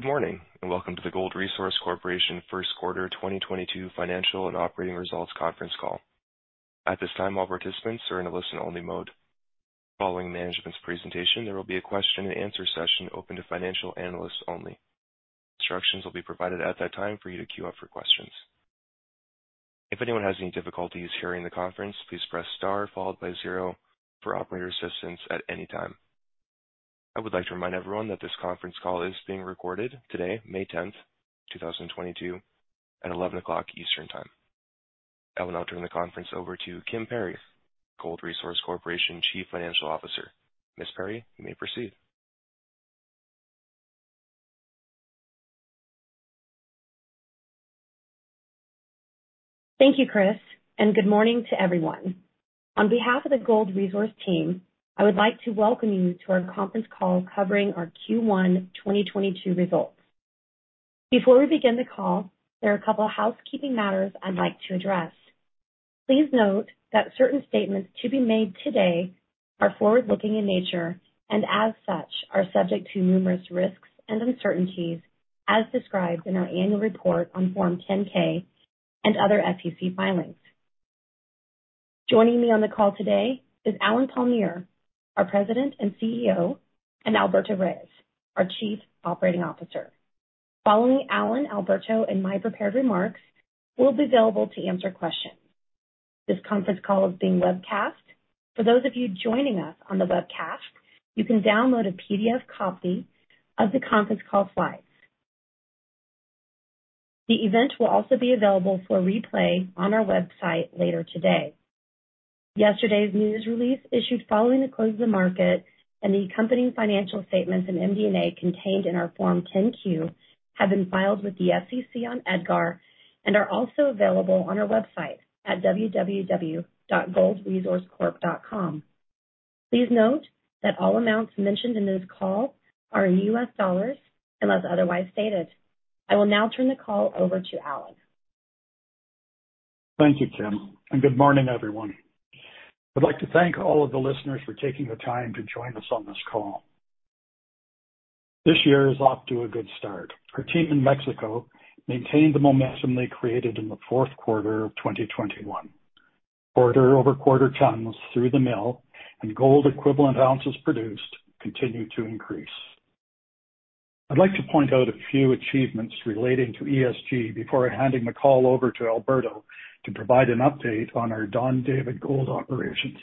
Good morning and welcome to the Gold Resource Corporation First Quarter 2022 Financial and Operating Results Conference Call. At this time, all participants are in a listen-only mode. Following management's presentation, there will be a question-and-answer session open to financial analysts only. Instructions will be provided at that time for you to queue up for questions. If anyone has any difficulties hearing the conference, please press star followed by zero for operator assistance at any time. I would like to remind everyone that this conference call is being recorded today, May 10th, 2022, at 11:00 A.M. Eastern Time. I will now turn the conference over to Kim Perry, Gold Resource Corporation Chief Financial Officer. Ms. Perry, you may proceed. Thank you, Chris, and good morning to everyone. On behalf of the Gold Resource team, I would like to welcome you to our conference call covering our Q1 2022 results. Before we begin the call, there are a couple of housekeeping matters I'd like to address. Please note that certain statements to be made today are forward-looking in nature and, as such, are subject to numerous risks and uncertainties, as described in our annual report on Form 10-K and other FTC filings. Joining me on the call today is Allen Palmiere, our President and CEO, and Alberto Reyes, our Chief Operating Officer. Following Allen, Alberto, and my prepared remarks, we'll be available to answer questions. This conference call is being webcast. For those of you joining us on the webcast, you can download a PDF copy of the conference call slides. The event will also be available for replay on our website later today. Yesterday's news release issued following the close of the market and the accompanying financial statements and MD&A contained in our Form 10-Q have been filed with the SEC on EDGAR and are also available on our website at www.goldresourcecorp.com. Please note that all amounts mentioned in this call are in U.S. dollars unless otherwise stated. I will now turn the call over to Allen. Thank you, Kim, and good morning, everyone. I'd like to thank all of the listeners for taking the time to join us on this call. This year is off to a good start. Our team in Mexico maintained the momentum they created in the fourth quarter of 2021. Quarter-over-quarter tons through the mill and gold-equivalent ounces produced continue to increase. I'd like to point out a few achievements relating to ESG before handing the call over to Alberto to provide an update on our Don David Gold operations.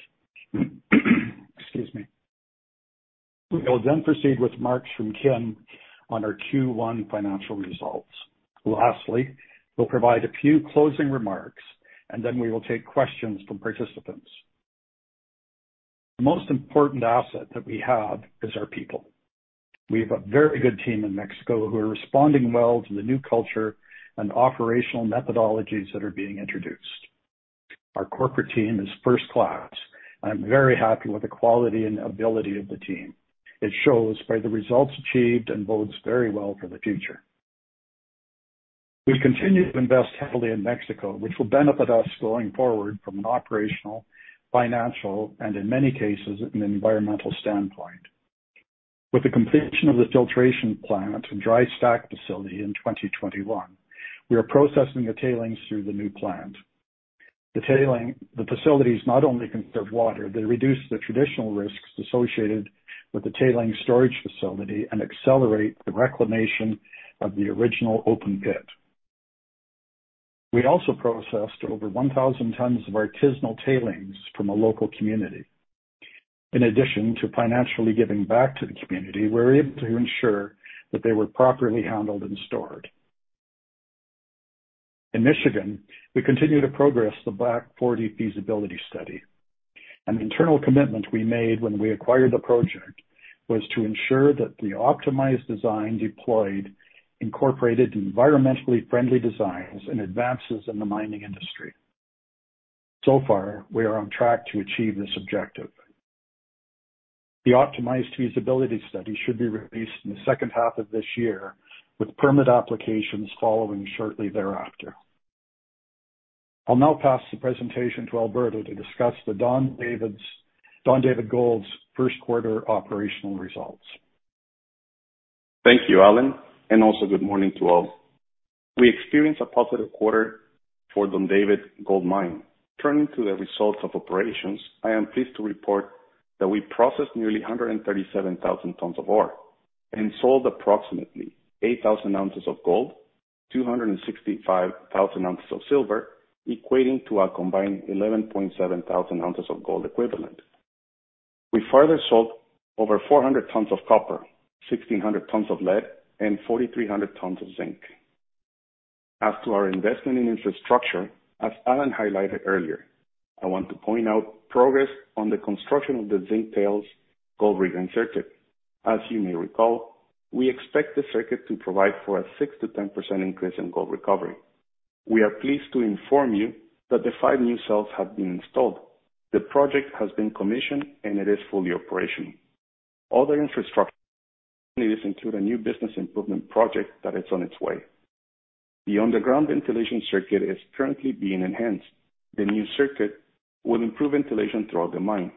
Excuse me. We will then proceed with remarks from Kim on our Q1 financial results. Lastly, we'll provide a few closing remarks, and then we will take questions from participants. The most important asset that we have is our people. We have a very good team in Mexico who are responding well to the new culture and operational methodologies that are being introduced. Our corporate team is first class, and I'm very happy with the quality and ability of the team. It shows by the results achieved and bodes very well for the future. We continue to invest heavily in Mexico, which will benefit us going forward from an operational, financial, and in many cases, an environmental standpoint. With the completion of the filtration plant and dry stack facility in 2021, we are processing the tailings through the new plant. The facilities not only conserve water, they reduce the traditional risks associated with the tailings storage facility and accelerate the reclamation of the original open pit. We also processed over 1,000 tons of artisanal tailings from a local community. In addition to financially giving back to the community, we were able to ensure that they were properly handled and stored. In Michigan, we continue to progress the Back 40 feasibility study. An internal commitment we made when we acquired the project was to ensure that the optimized design deployed incorporated environmentally friendly designs and advances in the mining industry. We are on track to achieve this objective. The optimized feasibility study should be released in the second half of this year, with permit applications following shortly thereafter. I'll now pass the presentation to Alberto to discuss the Don David Gold Mine's first quarter operational results. Thank you, Allen, and also good morning to all. We experienced a positive quarter for Don David Gold Mine. Turning to the Results of Operations, I am pleased to report that we processed nearly 137,000 tons of ore and sold approximately 8,000 ounces of gold, 265,000 ounces of silver, equating to a combined 11.7 thousand ounces of gold equivalent. We further sold over 400 tons of copper, 1,600 tons of lead, and 4,300 tons of zinc. As to our investment in infrastructure, as Allen highlighted earlier, I want to point out progress on the construction of the zinc tails gold recovery circuit. As you may recall, we expect the circuit to provide for a 6%-10% increase in gold recovery. We are pleased to inform you that the five new cells have been installed. The project has been commissioned, and it is fully operational. Other infrastructure activities include a new business improvement project that is on its way. The underground ventilation circuit is currently being enhanced. The new circuit will improve ventilation throughout the mine.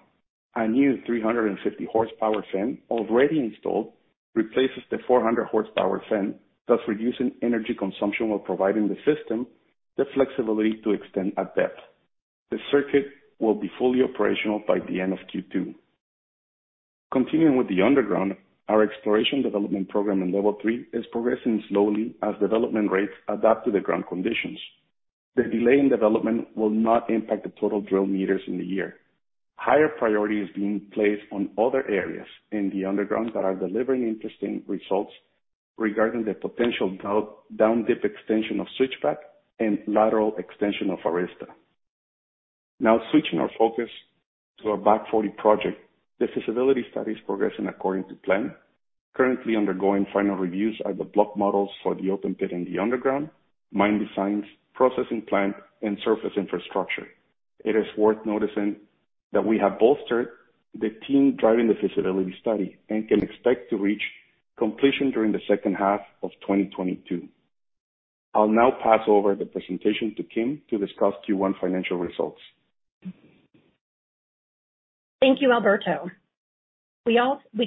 A new 350-horsepower fan already installed replaces the 400-horsepower fan, thus reducing energy consumption while providing the system the flexibility to extend at depth. The circuit will be fully operational by the end of Q2. Continuing with the underground, our exploration development program in Level 3 is progressing slowly as development rates adapt to the ground conditions. The delay in development will not impact the total drill meters in the year. Higher priority is being placed on other areas in the underground that are delivering interesting results regarding the potential down-dip extension of switchback and lateral extension of Arista. Now, switching our focus to our Back 40 project, the feasibility study is progressing according to plan. Currently undergoing final reviews are the block models for the open pit and the underground, mine designs, processing plant, and surface infrastructure. It is worth noticing that we have bolstered the team driving the feasibility study and can expect to reach completion during the second half of 2022. I'll now pass over the presentation to Kim to discuss Q1 financial results. Thank you, Alberto. We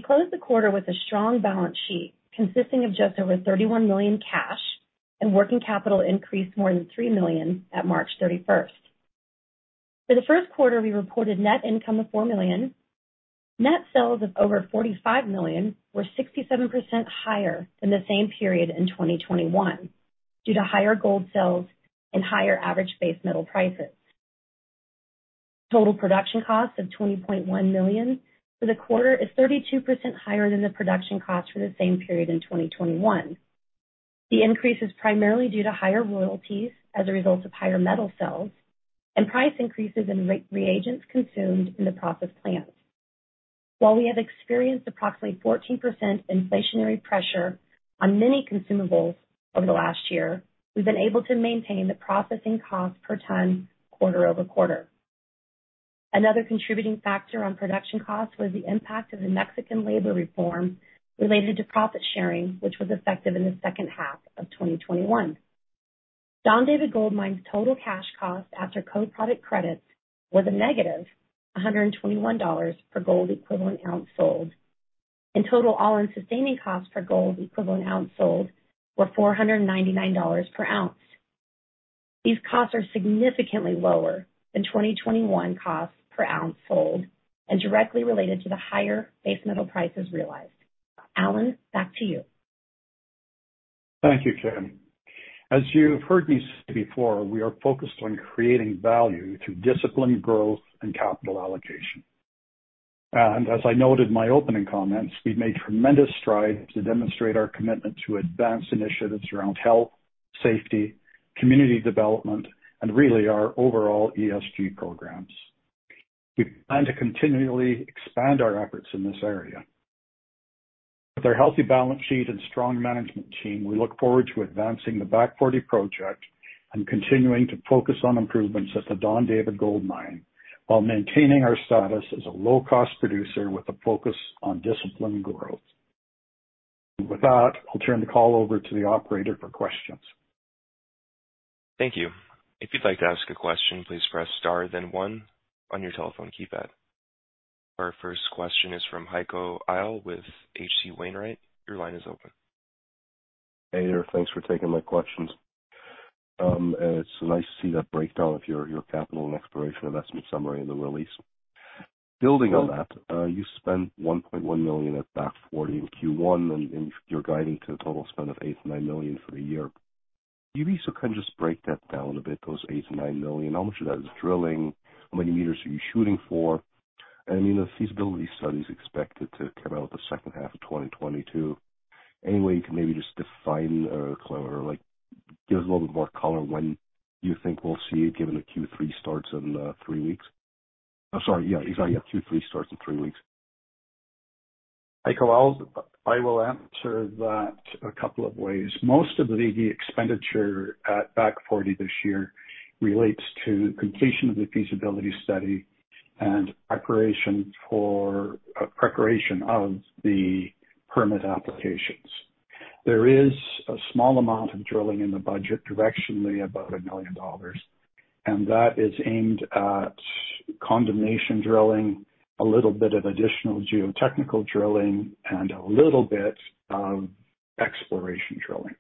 closed the quarter with a strong balance sheet consisting of just over $31 million cash and working capital increased more than $3 million at March 31. For the first quarter, we reported net income of $4 million. Net sales of over $45 million were 67% higher than the same period in 2021 due to higher gold sales and higher average base metal prices. Total production cost of $20.1 million for the quarter is 32% higher than the production cost for the same period in 2021. The increase is primarily due to higher royalties as a result of higher metal sales and price increases in reagents consumed in the processed plants. While we have experienced approximately 14% inflationary pressure on many consumables over the last year, we've been able to maintain the processing cost per ton quarter over quarter. Another contributing factor on production costs was the impact of the Mexican labor reform related to profit sharing, which was effective in the second half of 2021. Don David Gold Mine's total cash cost after co-product credits was a negative $121 per gold-equivalent ounce sold. In total, all-in sustaining costs per gold-equivalent ounce sold were $499 per ounce. These costs are significantly lower than 2021 costs per ounce sold and directly related to the higher base metal prices realized. Allen, back to you. Thank you, Kim. As you've heard me say before, we are focused on creating value through disciplined growth and capital allocation. As I noted in my opening comments, we've made tremendous strides to demonstrate our commitment to advance initiatives around health, safety, community development, and really our overall ESG programs. We plan to continually expand our efforts in this area. With our healthy balance sheet and strong management team, we look forward to advancing the Back 40 project and continuing to focus on improvements at the Don David Gold Mine while maintaining our status as a low-cost producer with a focus on disciplined growth. With that, I'll turn the call over to the operator for questions. Thank you. If you'd like to ask a question, please press star then one on your telephone keypad. Our first question is from Heiko Ihle with HC Wainwright. Your line is open. Hey there. Thanks for taking my questions. It's nice to see that breakdown of your capital and exploration investment summary in the release. Building on that, you spent $1.1 million at Back 40 in Q1, and you're guiding to a total spend of $8 million-$9 million for the year. Could you please kind of just break that down a bit, those $8 million-$9 million? How much of that is drilling? How many meters are you shooting for? I mean, the feasibility study is expected to come out the second half of 2022. Any way you can maybe just define or give us a little bit more color when you think we'll see it given the Q3 starts in three weeks? Oh, sorry. Yeah, exactly. Q3 starts in three weeks. Heiko Ihle, I will answer that a couple of ways. Most of the expenditure at Back 40 this year relates to completion of the feasibility study and preparation of the permit applications. There is a small amount of drilling in the budget, directionally about $1 million, and that is aimed at condemnation drilling, a little bit of additional geotechnical drilling, and a little bit of exploration drilling.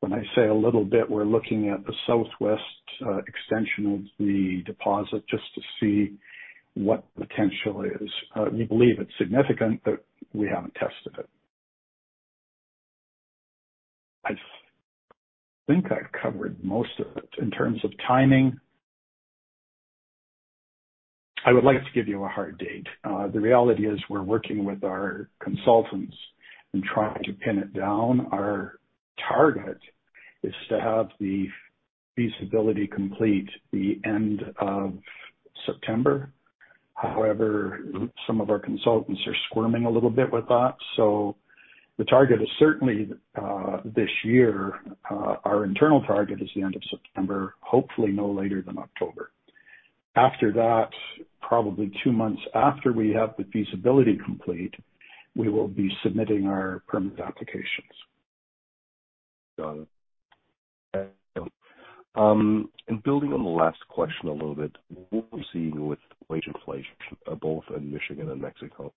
When I say a little bit, we're looking at the southwest extension of the deposit just to see what the potential is. We believe it's significant, but we haven't tested it. I think I've covered most of it. In terms of timing, I would like to give you a hard date. The reality is we're working with our consultants and trying to pin it down. Our target is to have the feasibility complete the end of September. However, some of our consultants are squirming a little bit with that. The target is certainly this year. Our internal target is the end of September, hopefully no later than October. After that, probably two months after we have the feasibility complete, we will be submitting our permit applications. Got it. Building on the last question a little bit, what are we seeing with wage inflation both in Michigan and Mexico?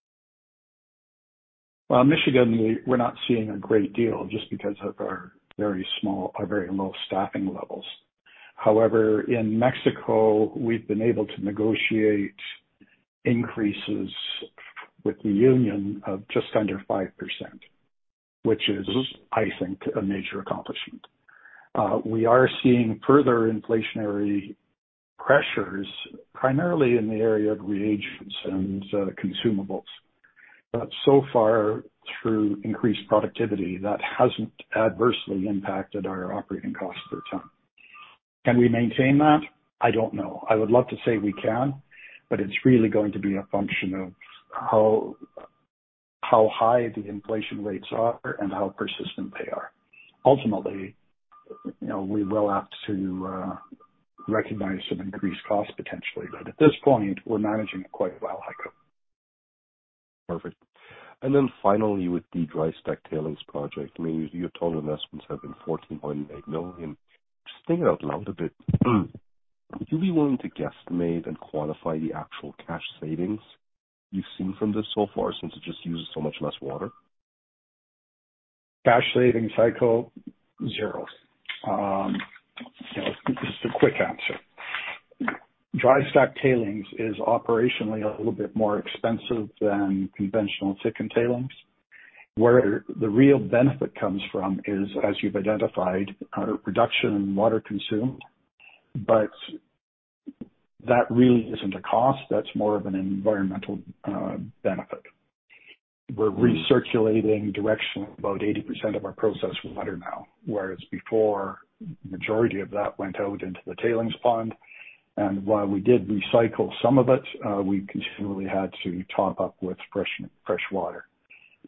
In Michigan, we're not seeing a great deal just because of our very small, our very low staffing levels. However, in Mexico, we've been able to negotiate increases with the union of just under 5%, which is, I think, a major accomplishment. We are seeing further inflationary pressures primarily in the area of reagents and consumables. So far, through increased productivity, that hasn't adversely impacted our operating cost per ton. Can we maintain that? I don't know. I would love to say we can, but it's really going to be a function of how high the inflation rates are and how persistent they are. Ultimately, we will have to recognize some increased costs potentially. At this point, we're managing it quite well, Heiko. Perfect. Finally, with the dry stack tailings project, I mean, your total investments have been $14.8 million. Just thinking out loud a bit, would you be willing to guesstimate and quantify the actual cash savings you've seen from this so far since it just uses so much less water? Cash savings cycle, zero. Just a quick answer. Dry stack tailings is operationally a little bit more expensive than conventional chicken tailings. Where the real benefit comes from is, as you've identified, reduction in water consumed, but that really isn't a cost. That's more of an environmental benefit. We're recirculating directionally about 80% of our processed water now, whereas before the majority of that went out into the tailings pond. While we did recycle some of it, we continually had to top up with fresh water.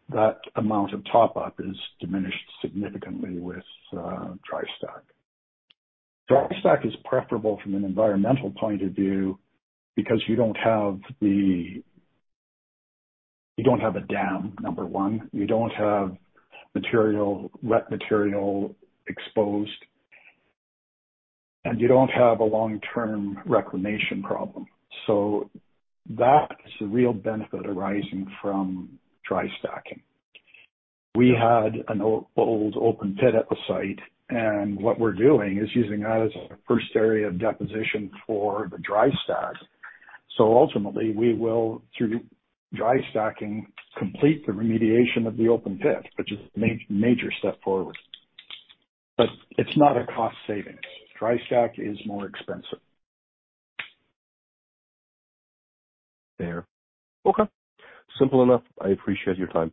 That amount of top-up is diminished significantly with dry stack. Dry stack is preferable from an environmental point of view because you don't have the—you don't have a dam, number one. You don't have wet material exposed, and you don't have a long-term reclamation problem. That is the real benefit arising from dry stacking. We had an old open pit at the site, and what we're doing is using that as a first area of deposition for the dry stack. Ultimately, we will, through dry stacking, complete the remediation of the open pit, which is a major step forward. It is not a cost saving. Dry stack is more expensive. Fair. Okay. Simple enough. I appreciate your time.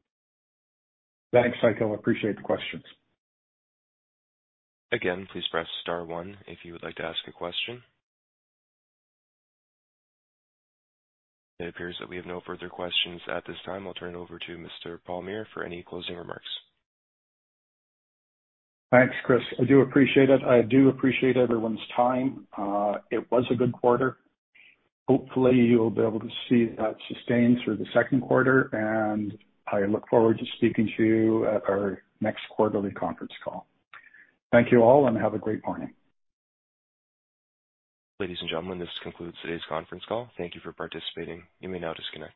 Thanks, Heiko. I appreciate the questions. Again, please press star one if you would like to ask a question. It appears that we have no further questions at this time. I'll turn it over to Mr. Palmiere for any closing remarks. Thanks, Chris. I do appreciate it. I do appreciate everyone's time. It was a good quarter. Hopefully, you'll be able to see that sustained through the second quarter, and I look forward to speaking to you at our next quarterly conference call. Thank you all, and have a great morning. Ladies and gentlemen, this concludes today's conference call. Thank you for participating. You may now disconnect.